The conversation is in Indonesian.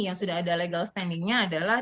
yang sudah ada legal standingnya adalah